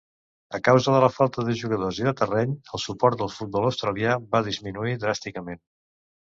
A causa de la falta de jugadors i de terrenys, el suport al futbol australià va disminuir dràsticament.